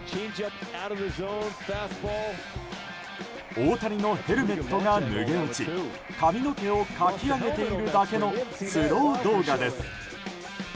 大谷のヘルメットが脱げ落ち髪の毛をかき上げているだけのスロー動画です。